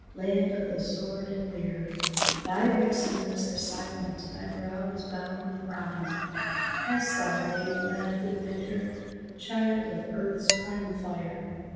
Land of the sword and lyre! Thy waxen lips are silent, thy brow is bound with rime, Hast thou late wed with winter, child of earth's primal fire?